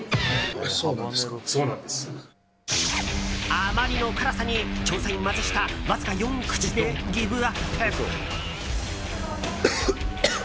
あまりの辛さに調査員マツシタわずか４口でギブアップ！